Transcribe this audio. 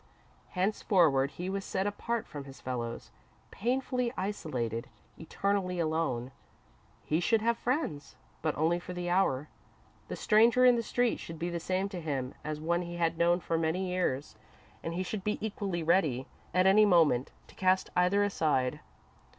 Henceforward he was set apart from his fellows, painfully isolated, eternally alone. He should have friends, but only for the hour. The stranger in the street should be the same to him as one he had known for many years, and he should be equally ready, at any moment, to cast either aside.